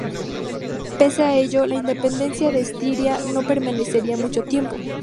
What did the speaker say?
Pese a ello, la independencia de Estiria no permanecería mucho tiempo.